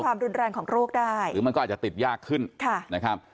ความรุนแรงของโรคได้หรือมันก็อาจจะติดยากขึ้นค่ะนะครับ